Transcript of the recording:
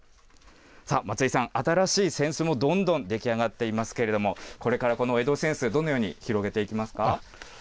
さあ、松井さん、新しい扇子もどんどん出来上がっていますけれども、これからこの江戸扇子、どのように広げていきますか。